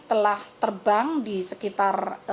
telah terbang di sekitar